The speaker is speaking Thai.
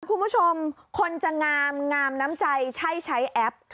คุณผู้ชมคนจะงามงามน้ำใจใช่ใช้แอป